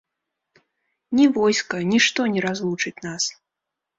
Ні войска, нішто не разлучыць нас.